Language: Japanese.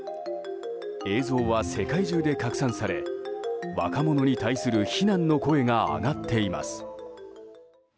映像は世界中で拡散され若者に対する非難の声が上がっています。